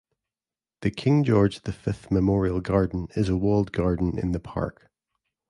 The King George the Fifth Memorial Garden is a walled garden in the park.